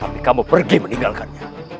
tapi kamu pergi meninggalkannya